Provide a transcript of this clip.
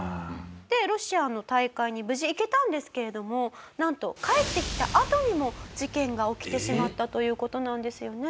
ロシアの大会に無事行けたんですけれどもなんと帰ってきたあとにも事件が起きてしまったという事なんですよね。